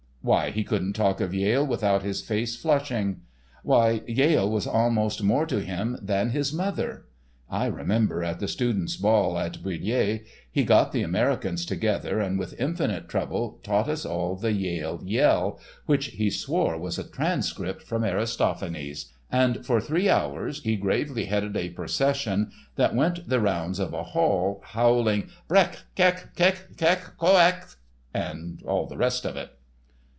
Why, he couldn't talk of Yale without his face flushing. Why, Yale was almost more to him than his mother. I remember, at the students' ball at Bulliers, he got the Americans together, and with infinite trouble taught us all the Yale "yell", which he swore was a transcript from Aristophanes, and for three hours he gravely headed a procession that went the rounds of a hall howling "Brek! Kek! Kek! Kek! Co ex!" and all the rest of it.